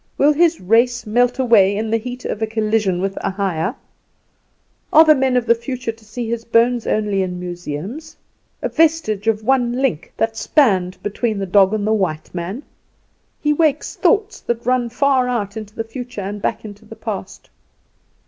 Will his race melt away in the heat of a collision with a higher? Are the men of the future to see his bones only in museums a vestige of one link that spanned between the dog and the white man? He wakes thoughts that run far out into the future and back into the past."